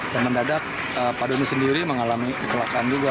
dan mendadak padani sendiri mengalami kekelakaan juga